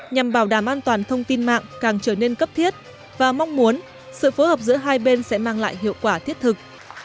nhằm bảo đảm an toàn thông tin mạng càng trở nên cấp thiết và mong muốn sự phối hợp giữa hai bên sẽ mang lại hiệu quả thiết thực